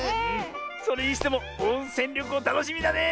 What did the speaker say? それにしてもおんせんりょこうたのしみだねえ。